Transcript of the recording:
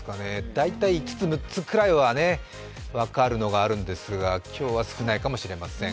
大体５つ、６つくらいは分かるのがあるんですが、今日は少ないかもしれません。